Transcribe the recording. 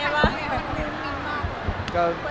ก็มันถือว่า